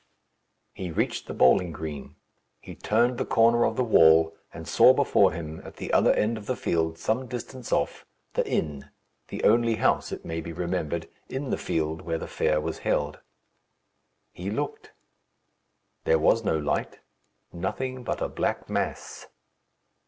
He reached the bowling green. He turned the corner of the wall, and saw before him, at the other end of the field, some distance off, the inn the only house, it may be remembered, in the field where the fair was held. He looked. There was no light; nothing but a black mass.